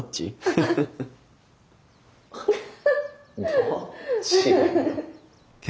どっち。